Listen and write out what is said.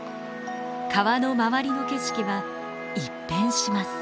川の周りの景色は一変します。